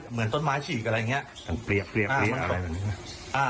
เหมือนต้นไม้ฉีกอะไรอย่างเงี้ยเปรียบเปรียบเปรียบอะไรแบบนี้อ่า